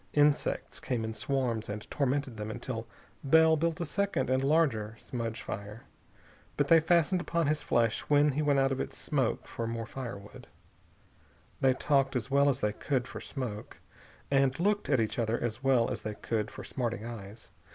Insects came in swarms and tormented them until Bell built a second and larger smudge fire. But they fastened upon his flesh when he went out of its smoke for more wood. They talked, as well as they could for smoke, and looked at each other as well as they could for smarting eyes.